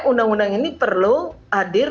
undang undang ini perlu hadir